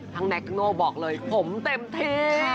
ทั้งแนคโน่บอกเลยผมเต็มเท